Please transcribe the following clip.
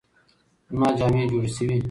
زما جامې جوړې شوې؟